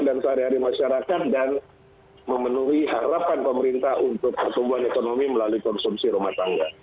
dan sehari hari masyarakat dan memenuhi harapan pemerintah untuk pertumbuhan ekonomi melalui konsumsi rumah tangga